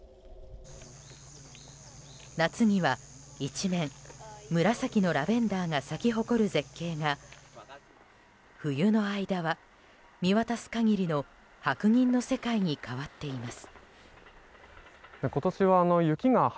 夏には一面紫のラベンダーが咲き誇る絶景が冬の間は、見渡す限りの白銀の世界に変わっています。